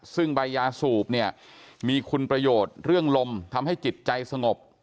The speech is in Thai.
ซึ่งใบยาสูบเนี่ยมีคุณประโยชน์เรื่องลมทำให้จิตใจสงบ